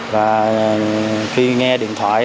và khi nghe điện thoại